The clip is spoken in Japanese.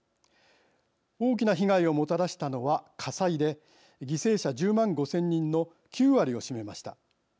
大きな被害をもたらしたのは火災で犠牲者１０万５０００人の９割を占めました。